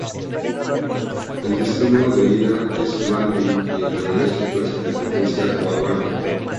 El destino de ida es Malvín y el de regreso Plaza Independencia o Aduana.